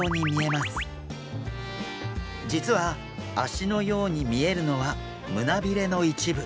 実は足のように見えるのは胸びれの一部。